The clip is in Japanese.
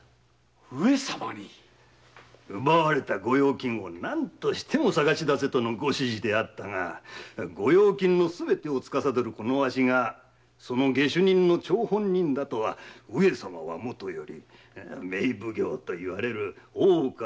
上様に⁉奪われた御用金を何としても探し出せとの御指示であったが御用金をすべて司るわしがその下手人の張本人だとは上様はもとより名奉行といわれる大岡越前にもわかるまい。